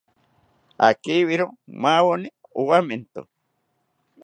Akibiro maweni owamento